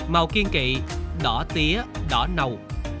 màu kiên kỵ đỏ tía đỏ nầu